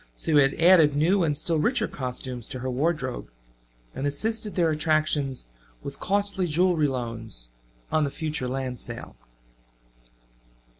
So he had added new and still richer costumes to her wardrobe, and assisted their attractions with costly jewelry loans on the future land sale.